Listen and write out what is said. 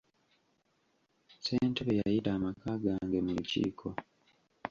Ssentebe yayita amaka gange mu lukiiko.